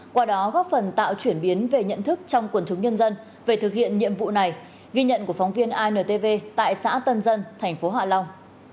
qua đó góp phần tạo chuyển biến về nhận thức trong quần chúng nhân dân về thực hiện nhiệm vụ này ghi nhận của phóng viên intv tại xã tân dân thành phố hạ long